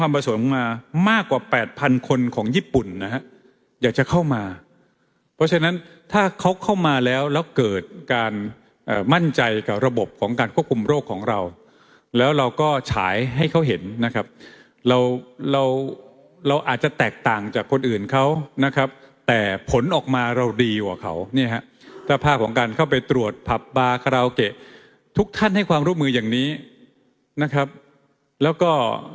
ผสมมามากกว่าแปดพันคนของญี่ปุ่นนะฮะอยากจะเข้ามาเพราะฉะนั้นถ้าเขาเข้ามาแล้วแล้วเกิดการมั่นใจกับระบบของการควบคุมโรคของเราแล้วเราก็ฉายให้เขาเห็นนะครับเราเราอาจจะแตกต่างจากคนอื่นเขานะครับแต่ผลออกมาเราดีกว่าเขาเนี่ยฮะสภาพของการเข้าไปตรวจผับบาคาราโอเกะทุกท่านให้ความร่วมมืออย่างนี้นะครับแล้วก็